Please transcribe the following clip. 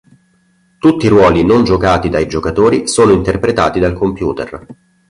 Tutti i ruoli non giocati dai giocatori sono interpretati dal computer.